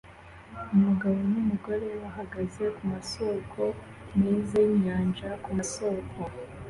Umugabo numugore bahagaze kumasoko meza yinyanja kumasoko